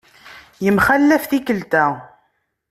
Yemxalaf tikkelt-a.